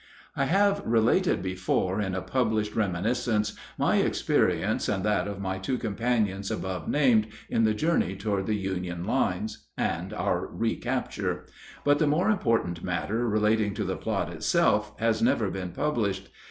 ] I have related before, in a published reminiscence, my experience and that of my two companions above named in the journey toward the Union lines, and our recapture; but the more important matter relating to the plot itself has never been published.